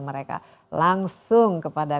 mereka langsung kepada